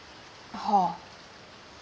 はあ。